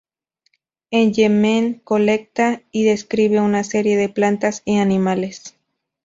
En Yemen colecta y describe una serie de plantas y animales.